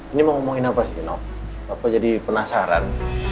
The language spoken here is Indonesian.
ini mau ngomongin apa sih no papa jadi penasaran